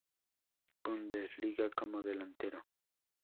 Bundesliga como delantero.